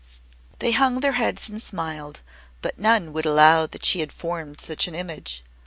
They hung their heads and smiled, but none would allow that she had formed such an image.